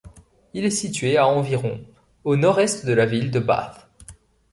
Il est situé à environ au nord-est de la ville de Bath.